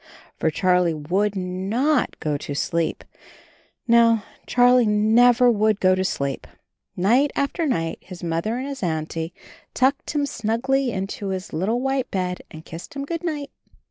For Charlie would not go to sleep. No, Charlie never would go to sleep. Night after night his Mother or his Auntie tucked him snugly 74 CHARLIE AND HIS KITTEN TOPSY 75 into his little white bed and kissed him good night.